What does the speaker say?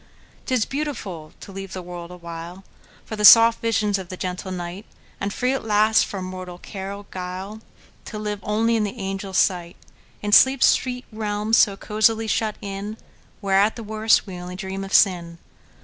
'T is beautiful to leave the world awhileFor the soft visions of the gentle night; And free, at last, from mortal care or guile, To live as only in the angels' sight, In sleep's sweet realm so cosily shut in, Where, at the worst, we only dream of sin!